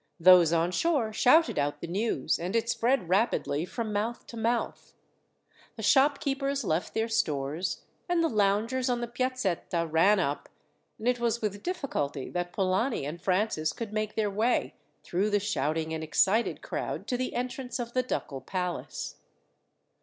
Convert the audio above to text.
Those on shore shouted out the news, and it spread rapidly from mouth to mouth. The shopkeepers left their stores, and the loungers on the Piazzetta ran up, and it was with difficulty that Polani and Francis could make their way, through the shouting and excited crowd, to the entrance of the ducal palace.